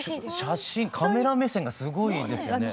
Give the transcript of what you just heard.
写真カメラ目線がすごいですよね。